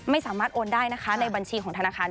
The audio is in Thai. ไม่สามารถโอนได้นะคะในบัญชีของธนาคาร